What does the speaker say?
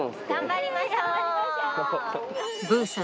頑張りましょう。